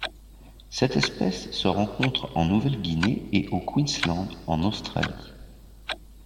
Cette espèce se rencontre en Nouvelle-Guinée et au Queensland en Australie.